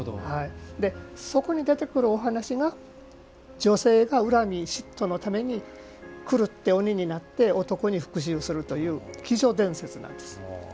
そこに出てくるお話が女性が恨み嫉妬のために狂って鬼になって男に復しゅうするという鬼女伝説なんです。